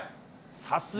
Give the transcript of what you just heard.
さすが。